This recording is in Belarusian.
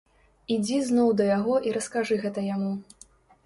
Ідзі зноў да яго і раскажы гэта яму.